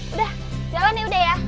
udah jalan ya udah ya